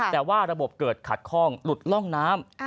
แต่ว่าระบบเกิดขัดข้องหลุดร่องน้ำ